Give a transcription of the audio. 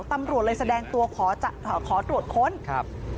ตำรวจเลยแสดงตัวขอตรวจค้นครับ